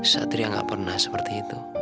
satria nggak pernah seperti itu